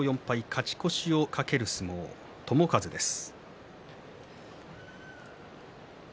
勝ち越しを懸ける相撲友風です。